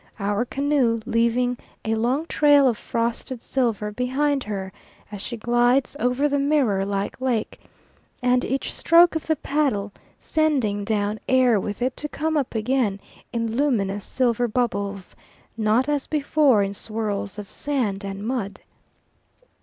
our canoe leaving a long trail of frosted silver behind her as she glides over the mirror like water, and each stroke of the paddle sending down air with it to come up again in luminous silver bubbles not as before in swirls of sand and mud.